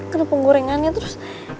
kena penggorengannya terus